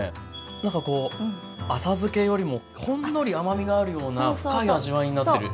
なんかこう浅漬けよりもほんのり甘みがあるような深い味わいになっている。